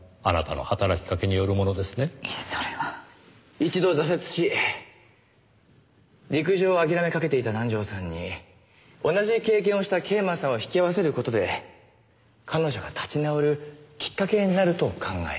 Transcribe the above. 一度挫折し陸上を諦めかけていた南条さんに同じ経験をした桂馬さんを引き合わせる事で彼女が立ち直るきっかけになると考えた。